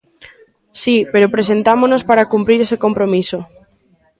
Si, pero presentámonos para cumprir ese compromiso.